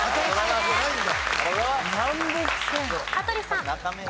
羽鳥さん。